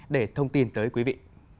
để thông tin tới quý vị